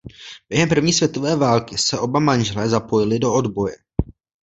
Během první světové války se oba manželé zapojili do odboje.